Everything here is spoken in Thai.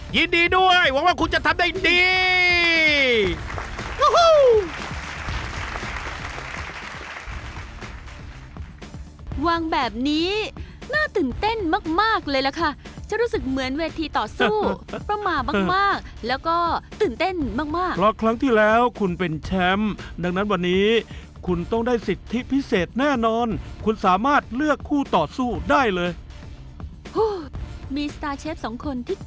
ยินดีด้วยหวังว่าคุณจะทำได้ดี